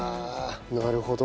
なるほど。